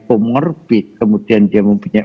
komorbid kemudian dia mempunyai